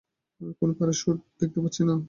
আমি কোনো প্যারাশ্যুট দেখতে পাচ্ছি না।